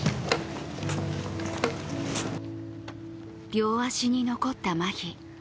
両足に残ったまひ。